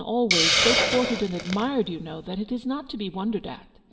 always so courted and admired, you know, that it is not to be wondered at.